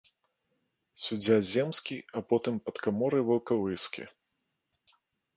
Суддзя земскі, а потым падкаморы ваўкавыскі.